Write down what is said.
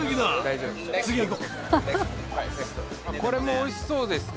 これもおいしそうですね。